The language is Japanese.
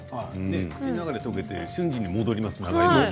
ねえ口の中で溶けて瞬時に戻りますね。